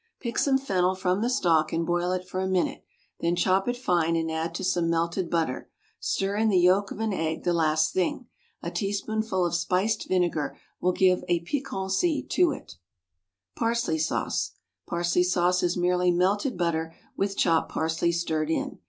= Pick some fennel from the stalk and boil it for a minute, then chop it fine and add to some "melted butter." Stir in the yolk of an egg the last thing. A teaspoonful of spiced vinegar will give piquancy to it. =Parsley Sauce.= Parsley sauce is merely "melted butter" with chopped parsley stirred in.